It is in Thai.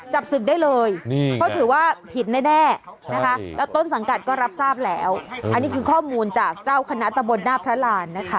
จับศึกได้เลยเพราะถือว่าผิดแน่นะคะแล้วต้นสังกัดก็รับทราบแล้วอันนี้คือข้อมูลจากเจ้าคณะตะบนหน้าพระรานนะคะ